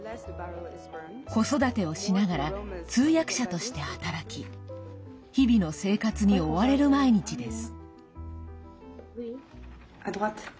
子育てをしながら通訳者として働き日々の生活に追われる毎日です。